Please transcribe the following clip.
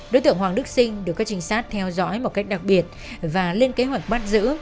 đối tượng hoàng đức sinh được các trinh sát theo dõi một cách đặc biệt và lên kế hoạch bắt giữ